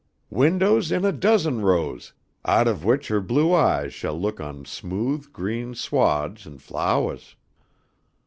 Windows in a dozen rows out of which her blue eyes shall look on smooth green swahds and flowahs.